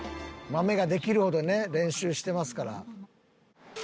マメができるほどね練習してますから。